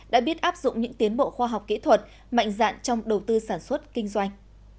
đã biết áp dụng những tiến bộ khoa học kỹ thuật mạnh dạn trong đầu tư sản xuất kinh doanh